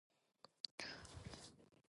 今何時だい